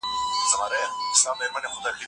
د مقالي هر څپرکی باید جلا موضوع ولري.